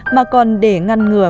mà còn để ngăn ngừa